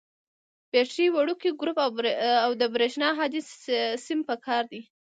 بټرۍ، وړوکی ګروپ او د برېښنا هادي سیم پکار دي.